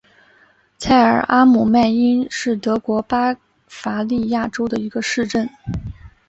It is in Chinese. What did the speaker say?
蔡尔阿姆迈因是德国巴伐利亚州的一个市镇。